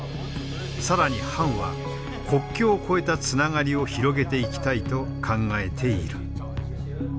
更に潘は国境を越えたつながりを広げていきたいと考えている。